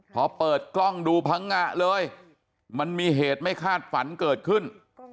พอเปิดกล้องดูพังงะเลยมันมีเหตุไม่คาดฝันเกิดขึ้น